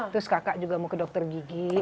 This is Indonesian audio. terus kakak juga mau ke dokter gigi